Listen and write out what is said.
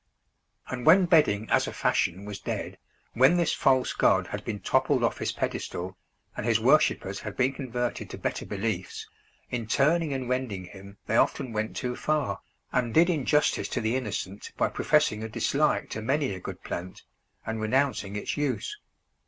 And when bedding as a fashion was dead, when this false god had been toppled off his pedestal, and his worshippers had been converted to better beliefs, in turning and rending him they often went too far, and did injustice to the innocent by professing a dislike to many a good plant, and renouncing its use.